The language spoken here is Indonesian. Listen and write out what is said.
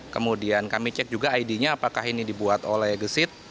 kemudian kami cek juga id nya apakah ini dibuat oleh gesit